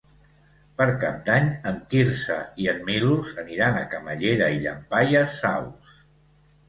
Per Cap d'Any en Quirze i en Milos aniran a Camallera i Llampaies Saus.